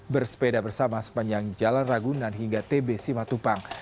bersepeda bersama sepanjang jalan ragunan hingga tb simatupang